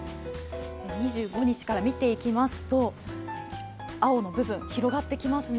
２５日から見ていきますと、青の部分、広がってきますね。